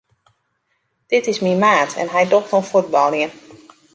Dit is myn maat en hy docht oan fuotbaljen.